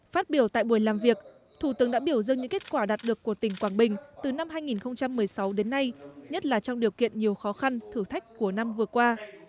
phát biểu tại buổi làm việc thủ tướng đã biểu dương những kết quả đạt được của tỉnh quảng bình từ năm hai nghìn một mươi sáu đến nay nhất là trong điều kiện nhiều khó khăn thử thách của năm vừa qua